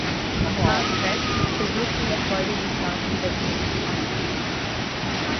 Margaret versucht in der Folge die Tat wiedergutzumachen.